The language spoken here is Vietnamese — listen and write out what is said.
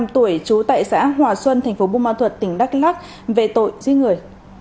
năm mươi năm tuổi trú tại xã hòa xuân tp bù ma thuật tỉnh đắk lắc về tội di người